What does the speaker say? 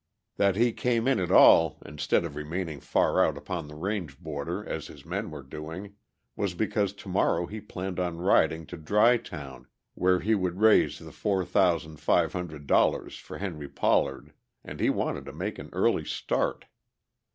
That he came in at all, instead of remaining far out upon the range border as his men were doing, was because tomorrow he planned on riding to Dry Town where he would raise the four thousand five hundred dollars for Henry Pollard, and he wanted to make an early start.